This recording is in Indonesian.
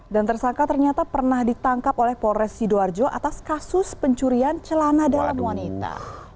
dan tersangka ternyata pernah ditangkap oleh flores sidoarjo atas kasus pencurian celana dalam wanita